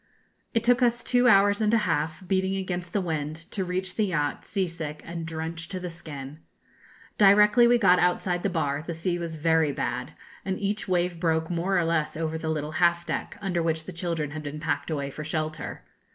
It took us two hours and a half, beating against the wind, to reach the yacht, sea sick, and drenched to the skin. Directly we got outside the bar the sea was very bad, and each wave broke more or less over the little half deck, under which the children had been packed away for shelter.